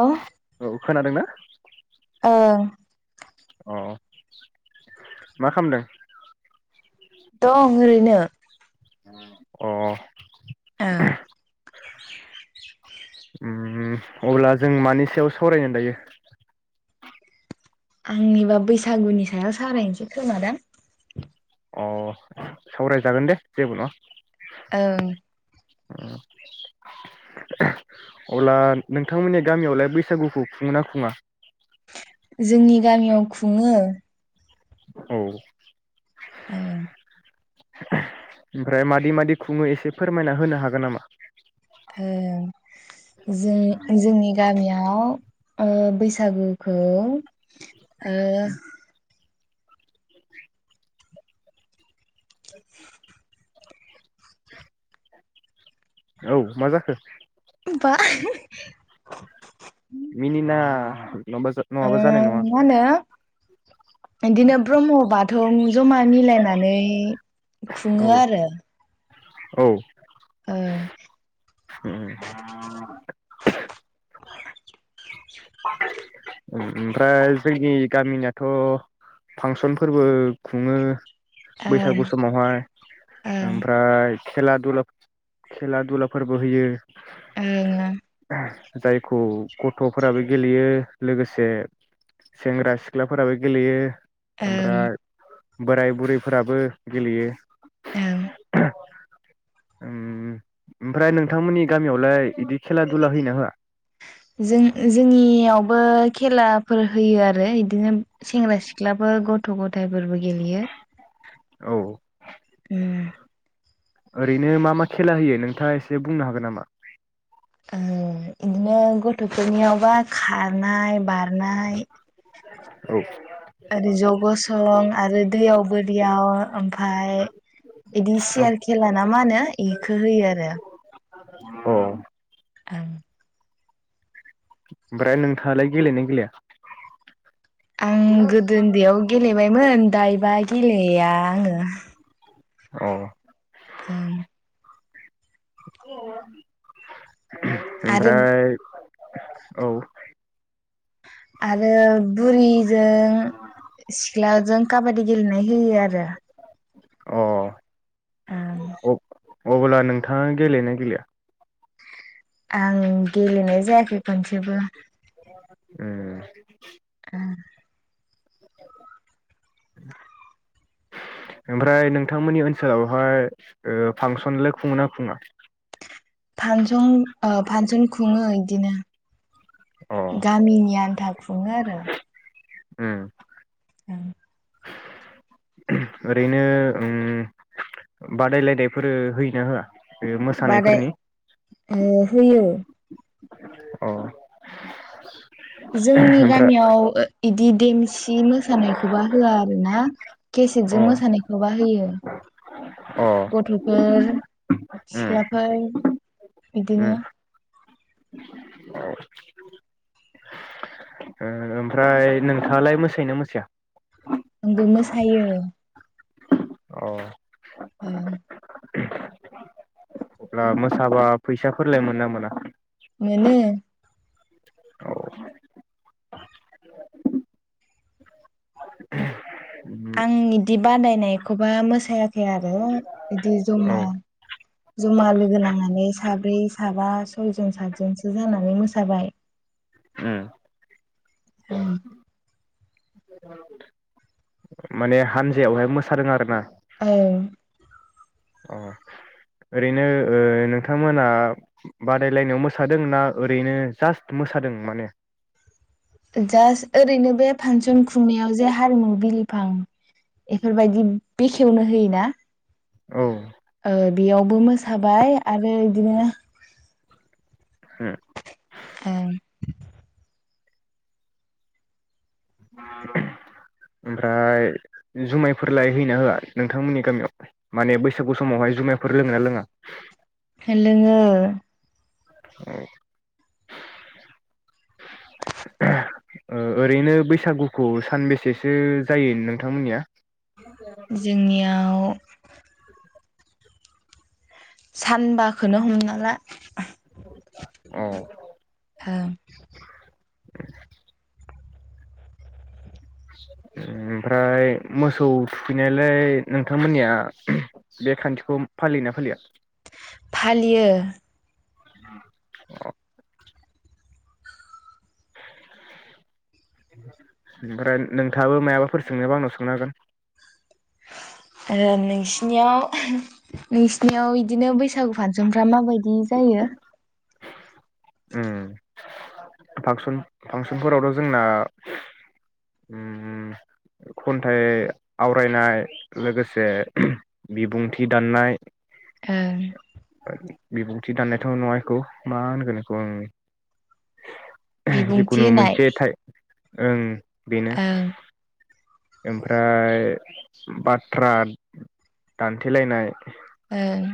औ खोनादों ना ओं अ मा खामदों दं ओरैनो अ ओ [inaudible] अब्ला जों मानि सायाव सावरायगोन दायो आंनिबा बैसागुनि सायाव सारायनोसै खोमादां अ सावरायजागोन दे जेबो नङा ओं अब्ला नोंथांमोननि गामियावलाय बैसागुखौ खुङोना खुङा जोंनि गामियाव खुङो औ ओं ओमफ्राय मादि- मादि खुङो एसे फोरमायना होनो हागोन नामा ओ जोंनि जोंनि गामिया आव ओ बैसागुखौ ओ [inaudible] औ मा जाखो बा [inaudible] मिनिना नङाबा ओ नङाबा मा जानाय नङा औ होनो बिदिनो ब्रह्मबाद थौ जमा मिलायनानै खुङो आरो औ ओ [inaudible] उम ओमफ्राय जोंनि गामिनियाथ' फांसनफोरबो खुङो। ओं बैसागु समावहाय ओं ओमफ्राय खेला दुला खेला दुलाफोरबो होयो। ओं आ। जायखौ गथ'फोराबो गेलेयो लोगोसे सेंग्रा सिख्लाफोराबो गेलेयो। ओं। ओमफ्राय बोराय बुरैफोराबो गेलेयो। ओं। उम ओमफ्राय नोंथांमोननि गामियावलाय बिदि खेला दुला होयोना होआ? जों जोंनियावबो खेलाफोर होयो आरो इदिनो सेंग्रा सिख्लाफोर गथ' गथाय फोरबो गेलेयो। औ उम। ओरैनो मा मा खेला होयो नोंथाङा एसे बुंनो हागोन नामा? उम इदिनो गथ'फोरनियावबा खारनाय बार नाय औ औ ओरै ज' गसं आरो दैयाव बोरियाव ओमफाय इदि सियार खेला ना मा होनो बेखो होयो आरो। अ। ओं। ओमफ्राय नोंथाङालाय गेलेयो ना गेलेया? आं गोदो उन्दैयाव गेलेबायमोन दायोबाय गेलेया आङो। औ। ओं [unintelligible] आरो ओमफ्राय औ। आरो बुरि जों सिख्ला जों काबादि गेलेनाय होयो आरो। अ। ओं। अब्ला नोंथाङा गेलेयोना गेलेया? आं गेलेनाय जायाखै खनसेबो उम उम। ओमफ्राय नोंथांमोननि ओनसोलावहाय ओ फांसनलाय खुङो ना खुङा? फांसं ओ फानसन खुङो इदिनो। अ गामिनि आन्था। खुङो आरो। उम। ओं। ओरैनो उम बादायलायनायफोर होयोना होआ? बे बादाय मोसानायफोरनि अ होयो अ जोंनि ओमफ्राय गामियाव ओ इदि देमस बिदि मोसानायखौबा होआ आरो ना अ केसेटजों मोसानायखौबा होयो अ गथ'फोर उम सिख्लाफोर बिदिनो औ ओमफ्राय नोंथांङालाय मोसायाना मोसाया आंबो मोसायो अ औ अब्ला मोसाबा फैसाफोरलाय मोनो ना मोना मोनो औ उम आं बिदि बादायनायखौबा मोसायाखै आरो बिदि औ जमा जमा लोगो नांनानै साब्रै साबा सयजन सातजनसो जानानै मोसाबाय उम औ माने हानजायावहाय मोसादों आरो ना औ अ ओरैनो नोंथांमोनहा बादायलायनायाव मोसादों ना ओरैनो जास्ट मोसादों माने जास्ट ओरैनो बे फांसन खुंनायाव जे हारिमु बिलिफां बेफोरबायदि बेखेवनो होयोना औ उम बेयावबो मोसाबाय आरो बिदिनोनो औ जुमायफोर लाय हैना होआ नोंथांमोननि गामियाव माने बैसागु समावहाय जुमायफोर लोंङोना लोंङा लोंङो औ ओरैनो बैसागुखौ सानबेसेसो जायो नोंथांमोननिया जोंनियाव सानबाखो हमना ला औ अ औ औ ओमफ्राय मोसौ थुखैनायलाय नोंथांमोननिया बे खान्थिखौ फालियोना फालिया फालियो औ ओमफ्राय नोंथांङाबो मायाबाफोर सोंनायाबा आंनाव सोंनो हागोन नोंसिनियाव नोंसिनि सिनियाव इ बिदिनो बैसागु फांसन जुमफ्रा माबायदि जायो ओम फांसन फांसनफोरावथ' जोंना खन्थाइ आवरायनाय लोगोसे बिबुंथि दाननाय बिबुंथि दाननायथ' नंङा एखौ मा होनगोन एखौ ओं बिबुंथि जिखुनु होनाय मोनसे थाइ ओं बिनो ओं ओमफ्राय बाथ्रा दानथेलायनाय ओं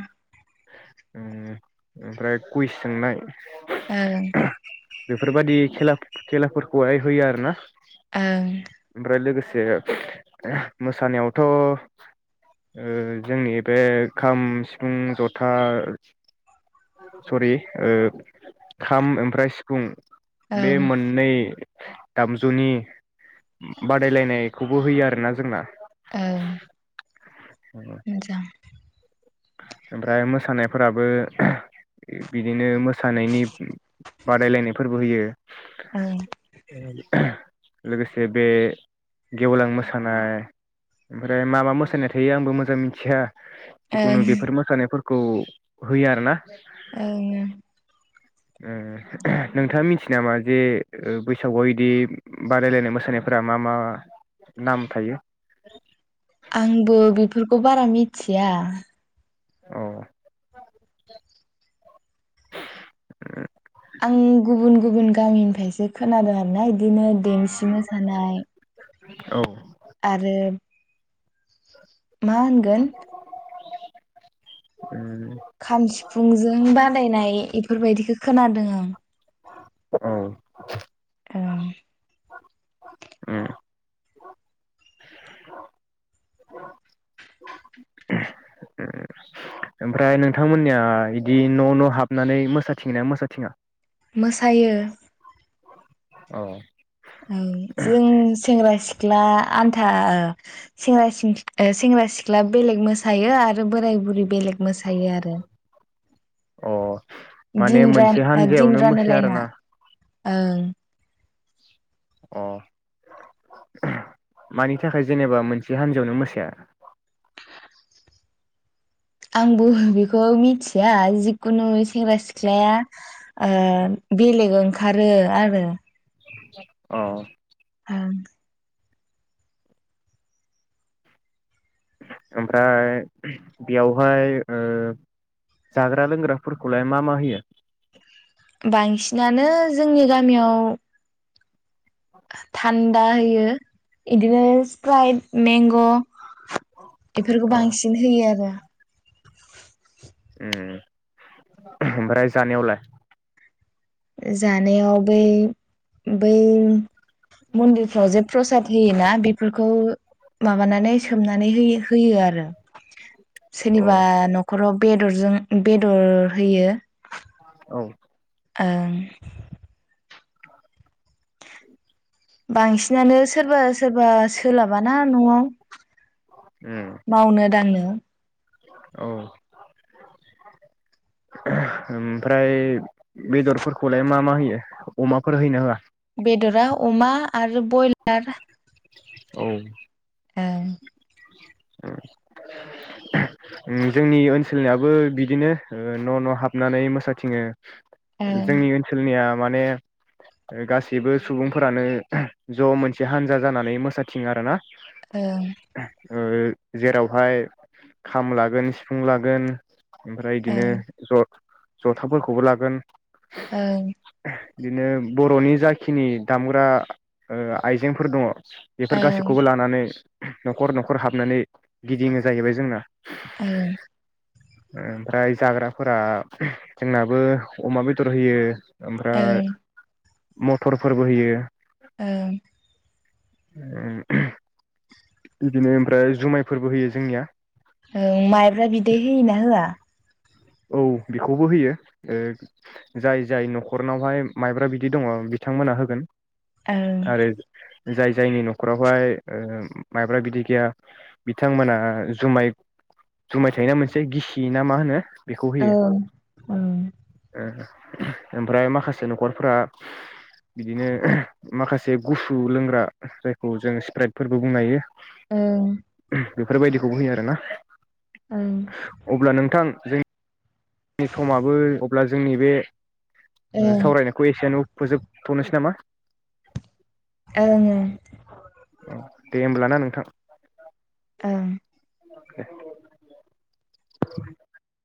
उम ओमफ्राय कुइस सोंनाय। ओं बेफोरबादि खेलाब खेलाफोरखौहाय होयो आरो ना ओं ओमफ्राय लोगोसे जे मोसानायावथ' ओ जोंनि बे खाम सिफुं जथ था सरि ओ खाम ओमफ्राय सिफुं बे ओं मोननै दामजुनि बादायलायनायखौबो होयो आरोना जोंना। ओं मोजां ओमफ्राय मोसानायफोराबो बिदिनो मोसानायनि बादायलायनायफोरबो होयो। ओं [inaudible] लोगोसे बे गेवलां मोसानाय ओमफ्राय मा मा मोसानाय थायो आंबो मोजां मिथिया जिखुनु ओं बेफोर मोसानायफोरख खौ होयो आरोना। ओं ओं नोंथाङा मिथियो नामा जे ओ बैसागुआ इदि बादायलायनाय मोसानायफोरा मा मा नाम थायो। आंबो बेफोरखौ बारा मिथिया अ उ आं गुबुन गुब बुन गामिनिफायसो खोनादों आरोना बि बिदिनो देमसि मोसानाय औ आरो मा होनगोन [inaudible] खाम सिफुंजों बादायनाय एफोरबायदिखो खोनादों आं औ ओं ओमफ्राय ओमफ्राय नोंथांमोननिया इदि न' न' हाबनानै मोसाथिंङो ना मोसाथिङा? मोसायो औ औ जों सेंग्रा सिख्ला आन्था सेंग्रा सिं ओ सेंग्रा सिख्ला बेलेग मोसायो आरो बोराय बुरै बेलेग मोसायो आरो अ माने दिन मोनसे रान ओ दिन हानजायावनो मोसाया रानलाइलायना आरोना ओं अ मानि थाखाय जेनेबा मोनसे हान्जायावनो मोसाया आंबो बेखौ मिथिया जिखुनु सेंग्रा सिख्लाया ओ बेलेग ओंखा खारो आरो औ [unintelligible] ओमफ्राय बेयावहाय ओ जाग्रा लोंग्राफोरखौलाय मा मा होयो बांसिनानो जोंनि गामियाव थान्दा होयो बिदिनो स्प्राइट मेंग' बेफोरखौ उम बांसिन होयो आरो ओम ओमफ्राय जानायावलाय जानायाव बै बै मन्दिरफ्राव जे प्रसाद होयोना बेफोरखौ माबानानै सोमनानै हो होयो आरो अ सोरनिबा न'खराव बेदरजों बेदर होयो औ ओं [inaudible] बांसिनानो सोरबा सोरबा सोलाबाना न'आव उम [inaudible] मावनो दांनो [unintelligible] औ [inaudible] ओमफ्राय बेदरफोरखौलाय मा मा होयो अमाफोर होयो ना होआ बेदरा अमा आरो ब्रयलार औ ओम जोंनि ओनसोलनियाबो बिदिनो न' न' हाबनानै मोसाथिङो ओं जोंनि ओनसोलनिया माने गासैबो सुबुंफोरानो ज' मोनसे हानजा हानजा जानानै मोसाथिङो आरो ना ओं ओ जेरावहाय खाम लागोन सिफुं लागोन ओमफ्राय बिदिनो ओं र जथाफोरखौबो लागोन औ बिदिनो बर'नि जाखिनि दामग्रा ओ आइजें फोर दङ बेफोर गासैखौबो लानानै न'खर न'खर हाबनानै गिदिंनो जाहैबाय जोंना ओं ओमफ्राय जाग्राफोरा जोंनाबो अमा बेदर होयो। ओमफ्राय मटरफोरबो होयो। ओं [unintelligible] बिदिनो ओमफ्राय जुमायफोरबो होयो जोंनिया। ओं माइब्रा बिदै होयोना होआ? औ बेखौबो होयो ओ जाय जाय न'खरनावहाय माइब्रा बिदि दङ बिथांमोना होगोन। आरो जाय जायनि न'खरावहाय ओ माइब्रा बिदै गैया बिथांमोना जुमाय जुमाय थायोना मोनसे गिसि ना मा होनो? बेखौ होयो ओं ओं ओ ओ [unintelligible] ओमफ्राय माखासे न'खरफ्रा बिदिनो [unintelligible] माखासे गुसु लोंग्रा जायखौ जों स्प्राइटफोरबो बुंनो हायो। ओं बेफोरबायदिखौबो होयो आरो ना। ओं [inaudible] अब्ला नोंथां जोंनि समाबो अब्ला जोंनि बे ओ ओं सावरायनायखौ एसेयावनो फोजोबथ'नोसै नामा? ओं ओं दे होमब्ला ना नोंथां। ओं दे [unintelligible] [inaudible]